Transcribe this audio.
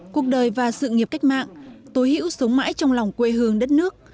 cuộc đời và sự nghiệp cách mạng tố hữu sống mãi trong lòng quê hương đất nước